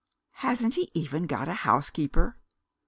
"Hasn't he even got a housekeeper?"